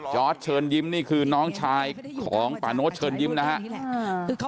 จอร์ดเชิญยิ้มนี่คือน้องชายของปาโน้ตเชิญยิ้มนะฮะ